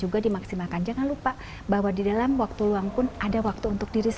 lak dimaksimalkan dan jangan lupa bahwa di dalam waktu dulu wang time untuk alih wangi salin di pada saat siang